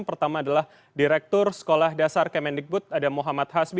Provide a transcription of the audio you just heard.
pertama adalah direktur sekolah dasar kemendikbud ada muhammad hasbi